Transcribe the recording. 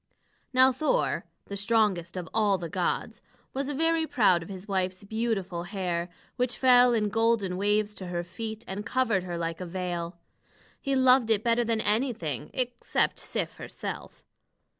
Now Thor, the strongest of all the gods, was very proud of his wife's beautiful hair, which fell in golden waves to her feet, and covered her like a veil. He loved it better than anything, except Sif herself.